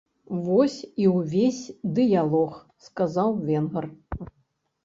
Вось і ўвесь дыялог, сказаў венгр.